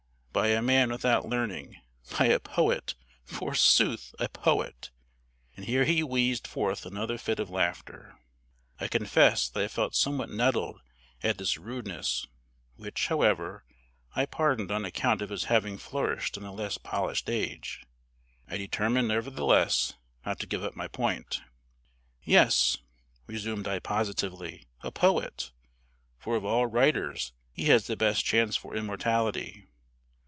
by a man without learning! by a poet! forsooth a poet!" And here he wheezed forth another fit of laughter. I confess that I felt somewhat nettled at this rudeness, which, however, I pardoned on account of his having flourished in a less polished age. I determined, nevertheless, not to give up my point. "Yes," resumed I positively, "a poet; for of all writers he has the best chance for immortality.